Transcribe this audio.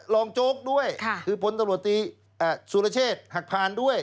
รองโจ๊กด้วยคือพตรสุรเชษฐ์หักพานด้วย